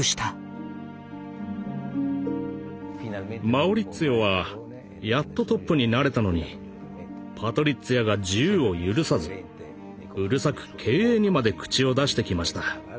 マウリッツィオはやっとトップになれたのにパトリッツィアが自由を許さずうるさく経営にまで口を出してきました。